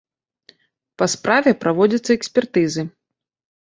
Па справе праводзяцца экспертызы.